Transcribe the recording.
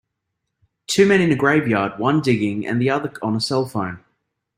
Two men in a graveyard, one digging and the other on a cellphone.